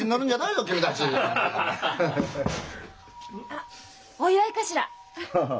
あっお祝いかしら？